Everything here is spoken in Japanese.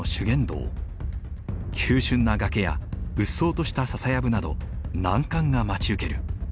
急峻な崖やうっそうとした笹やぶなど難関が待ち受ける。